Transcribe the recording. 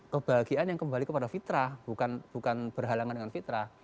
kebahagiaan yang kembali kepada fitrah bukan berhalangan dengan fitrah